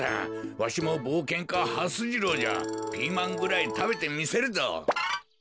わしもぼうけんかはす次郎じゃピーマンぐらいたべてみせるぞ。